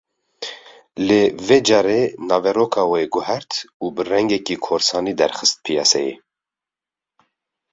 Lê vê carê naveroka wê guhert û bi rengekî korsanî derxist piyaseyê